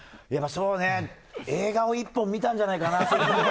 映画を１本見たんじゃないかな。